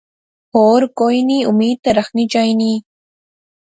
ہور کوئی نی امید تے رخنی چاینی